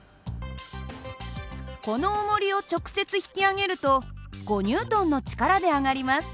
このおもりを直接引き上げると５Ｎの力で上がります。